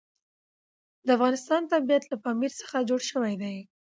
د افغانستان طبیعت له پامیر څخه جوړ شوی دی.